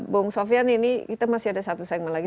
bung sofyan ini kita masih ada satu saingan lagi